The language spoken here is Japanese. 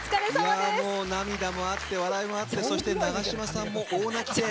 涙もあって笑いもあってそして永島さんも大泣きで。